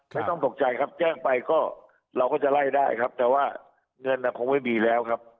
ไม่ต้องตกใจครับแจ้งไปก็เราก็จะไล่ได้ครับแต่ว่าเงินคงไม่มีแล้วครับ